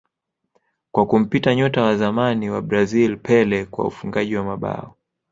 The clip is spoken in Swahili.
kwa kumpita nyota wa zamani wa Brazil Pele kwa ufungaji wa mabao